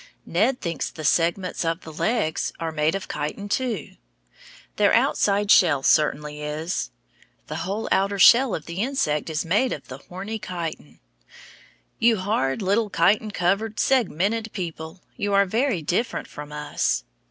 Ned thinks the segments of the legs are made of chitin too. Their outside shell certainly is. The whole outer shell of the insect is made of the horny chitin. You hard little chitin covered, segmented people, you are very different from us.